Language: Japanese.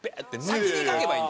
先に描けばいい。